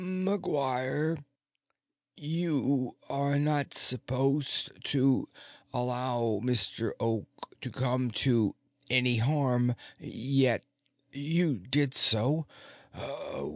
"McGuire, you are not supposed to allow Mr. Oak to come to any harm. Yet you did so.